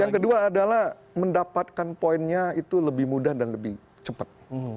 yang kedua adalah mendapatkan poinnya itu lebih mudah dan lebih cepat